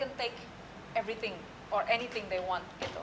atau apa saja yang mereka inginkan